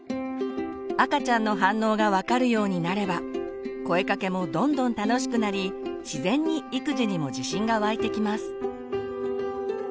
赤ちゃんの反応が分かるようになれば声かけもどんどん楽しくなり自然に育児にも自信が湧いてきます。